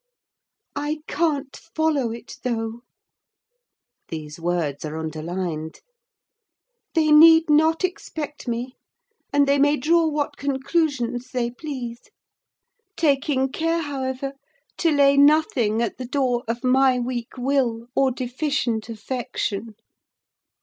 I can't follow it though—(these words are underlined)—they need not expect me, and they may draw what conclusions they please; taking care, however, to lay nothing at the door of my weak will or deficient affection.